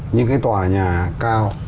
những cái tòa nhà cao